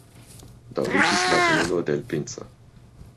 daŭrigis la kunulo de l' princo.